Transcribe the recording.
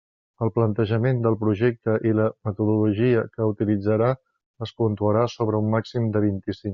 El plantejament del projecte i la metodologia que utilitzarà es puntuarà sobre un màxim de vint-i-cinc.